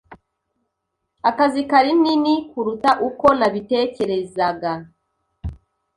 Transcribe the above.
Akazi kari nini kuruta uko nabitekerezaga.